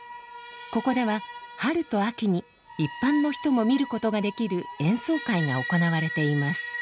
ここでは春と秋に一般の人も見ることができる演奏会が行われています。